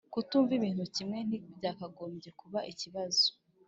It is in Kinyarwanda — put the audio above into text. Kutumva ibintu kimwe ntibyakagombye kuba ikibazo